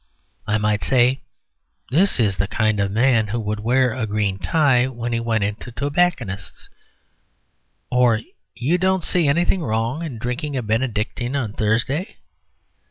I might say: "This is the kind of man who would wear a green tie when he went into a tobacconist's," or "You don't see anything wrong in drinking a Benedictine on Thursday?....